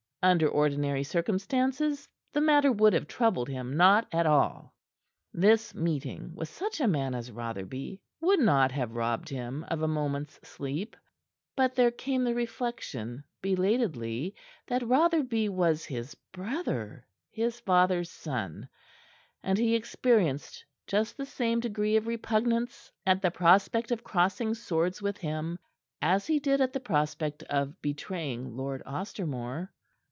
Under ordinary circumstances the matter would have troubled him not at all; this meeting with such a man as Rotherby would not have robbed him of a moment's sleep. But there came the reflection belatedly that Rotherby was his brother, his father's son; and he experienced just the same degree of repugnance at the prospect of crossing swords with him as he did at the prospect of betraying Lord Ostermore.